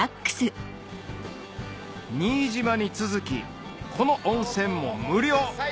新島に続きこの温泉も無料